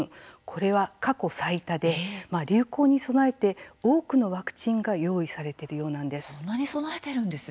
これは過去最多で流行に備えて多くのワクチンが用意されてるようなんです。